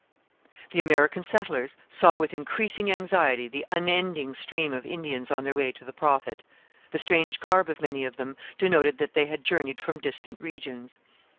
The American settlers saw with increasing anxiety the unending stream of Indians on their way to the Prophet. The strange garb of many of them denoted that they had journeyed from distant regions.